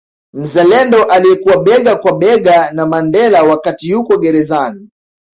Mzalendo aliyekuwa bega kwa bega na Mandela wakati yuko gerezani